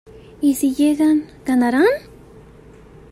Y si llegan, ¿ganarán?